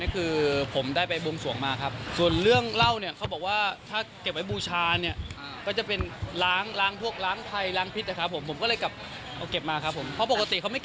ค่ะตอนนั้นโดนเรื่องเบียร์คั่นนี้โดนเรื่องเล้าว่าเป็นเป็นอะไรนี่